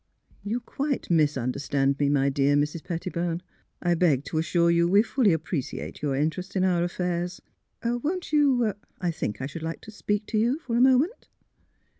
" You quite misunderstand me, my dear Mrs. Pettibone. I beg to assure you we fully appreciate your interest in our affairs. Won't you — I think I should like to speak to you for a moment."